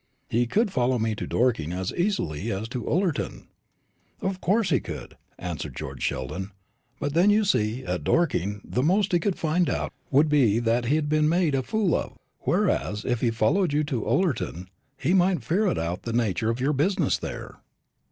"He could follow me to Dorking as easily as to Ullerton." "Of course he could," answered George Sheldon; "but then, you see, at Dorking the most he could find out would be that he'd been made a fool of; whereas if he followed you to Ullerton, he might ferret out the nature of your business there."